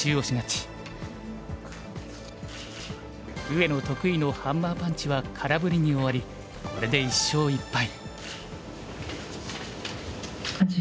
上野得意のハンマーパンチは空振りに終わりこれで１勝１敗。